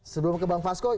sebelum ke bang fasco